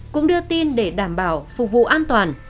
cũng đưa tin để đảm bảo phục vụ an toàn